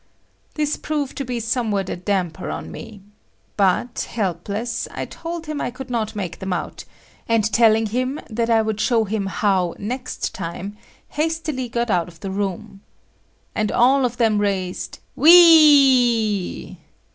This proved to be somewhat a damper on me. But, helpless, I told him I could not make them out, and telling him that I would show him how next time, hastily got out of the room. And all of them raised "Whee—ee!"